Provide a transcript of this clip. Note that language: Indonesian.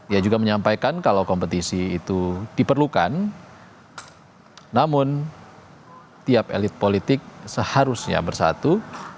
ia juga menyampaikan kalau kompetisi itu diperlukan namun tiap elit politik seharusnya bersatu